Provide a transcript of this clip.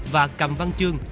và cầm văn chương